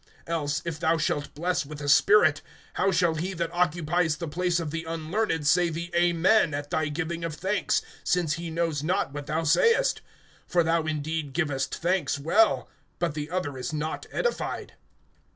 (16)Else, if thou shalt bless with the spirit, how shall he that occupies the place of the unlearned say the Amen at thy giving of thanks, since he knows not what thou sayest? (17)For thou indeed givest thanks well, but the other is not edified.